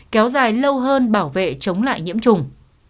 kéo dài lâu hơn bảo vệ chống lại nhiễm trùng